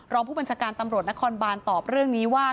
รองผู้บัญชาการตำรวจนครบานตอบเรื่องนี้ว่า